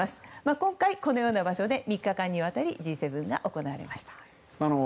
今回、このような場所で３日間にわたりＧ７が行われました。